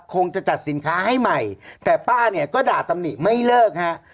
คงจะจัดสินค้าให้ใหม่แต่ป้าเนี่ยก็ด่าตำหนิไม่เลิกฮะ